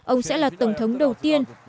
ông sẽ là tổng thống đầu tiên